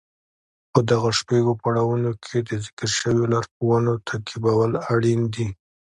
په دغو شپږو پړاوونو کې د ذکر شويو لارښوونو تعقيبول اړين دي.